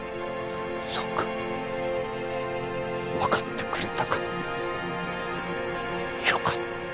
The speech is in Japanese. そうかわかってくれたか良かった。